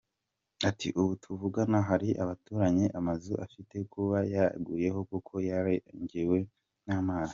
Ati “Ubu tuvugana hari abaturanyi amazu afite kuba yaguyeho kuko yarengewe n’amazi.